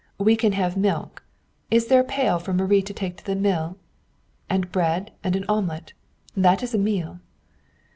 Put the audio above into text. We can have milk is there a pail for Marie to take to the mill? and bread and an omelet. That is a meal!"